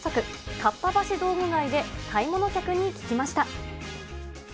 かっぱ橋道具街で買い物客に聞きました。